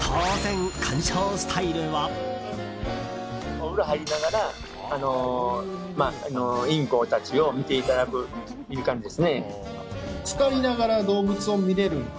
お風呂に入りながらインコたちを見ていただくという感じです。